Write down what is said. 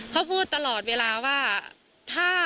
เขาพูดตลอดเวลาว่า